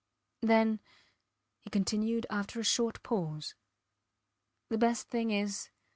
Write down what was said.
Then, he continued after a short pause, the best thing is